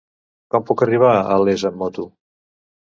Com puc arribar a Les amb moto?